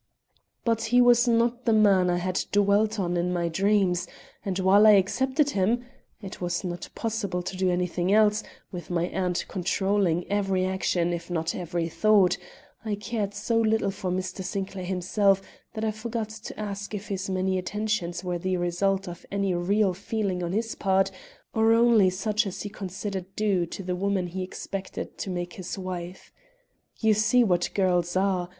But he was not the man I had dwelt on in my dreams, and while I accepted him (it was not possible to do anything else, with my aunt controlling every action, if not every thought) I cared so little for Mr. Sinclair himself that I forgot to ask if his many attentions were the result of any real feeling on his part or only such as he considered due to the woman he expected to make his wife. You see what girls are.